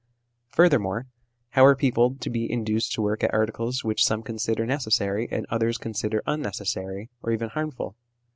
Furthermore, how are people to be induced to work at articles which some consider necessary and others consider unnecessary or even harmful